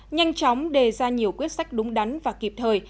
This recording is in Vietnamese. nhanh chóng đề ra nhiều quyết sách đúng đắn và kịp thời